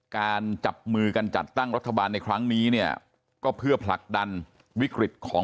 การจับมือกันจัดตั้งรัฐบาลในครั้งนี้เนี่ยก็เพื่อผลักดันวิกฤตของ